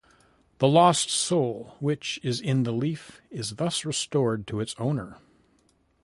The lost soul, which is in the leaf, is thus restored to its owner.